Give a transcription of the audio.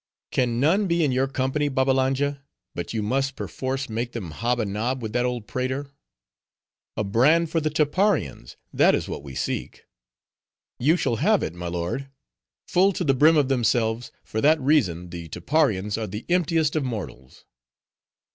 Can none be in your company, Babbalanja, but you must perforce make them hob a nob with that old prater? A brand for the Tapparians! that is what we seek." "You shall have it, my lord. Full to the brim of themselves, for that reason, the Tapparians are the emptiest of mortals."